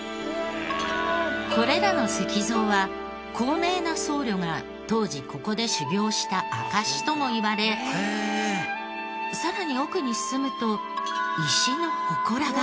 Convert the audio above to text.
これらの石像は高名な僧侶が当時ここで修行した証しともいわれさらに奥に進むと石の祠が。